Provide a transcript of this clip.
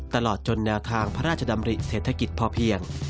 ตลอดจนแนวทางพระราชดำริเศรษฐกิจพอเพียง